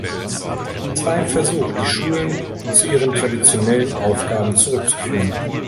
Es war ein Versuch, die Schulen zu ihren traditionellen Aufgaben zurückzuführen.